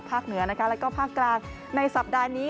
ภาคเหนือและภาคกลางในสัปดาห์นี้